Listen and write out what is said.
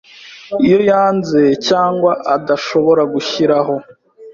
Iyo yanze cyangwa adashobora gushyiraho